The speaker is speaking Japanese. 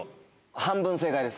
半分正解です。